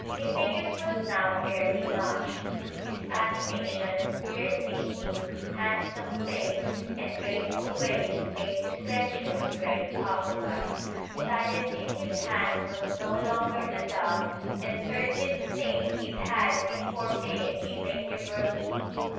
Linnæus was now fairly launched. His animation, clear thinking, handsome face and graceful ways made his lectures very popular. Science in his hands was no longer the dull and turgid thing it had before been in the University.